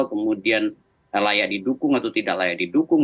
kemudian layak didukung atau tidak layak didukung